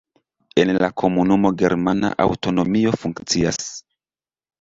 En la komunumo germana aŭtonomio funkcias.